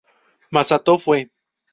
Masato Fue